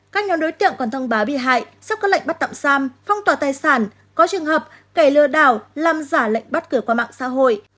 các nhóm đối tượng còn thông báo bị hại sắp các lệnh bắt tạm giam phong tỏa tài sản có trường hợp kẻ lừa đảo làm giả lệnh bắt cửa qua mạng xã hội